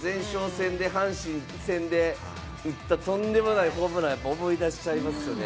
ＷＢＣの前哨戦の阪神戦で打ったとんでもないホームランを思い出しちゃいますね。